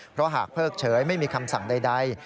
เพราะหากเพิกเฉยไม่มีคำสั่งใด